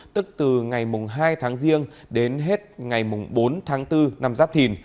tức từ ngày hai tháng riêng đến hết ngày bốn tháng bốn năm giáp thìn